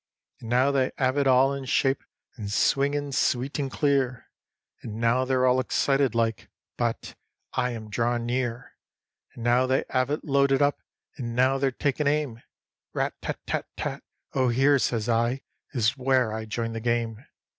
... And now they 'ave it all in shape, and swingin' sweet and clear; And now they're all excited like, but I am drawin' near; And now they 'ave it loaded up, and now they're takin' aim. ... Rat tat tat tat! Oh here, says I, is where I join the game.